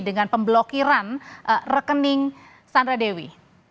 dengan pemblokiran rekening sandra dewi